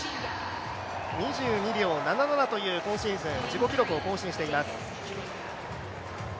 ２２秒７７という今シーズン、自己記録を更新しています。